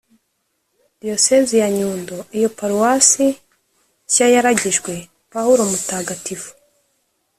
diyosezi ya nyundo iyo paruwasi nshya yaragijwepaulo mutagatifu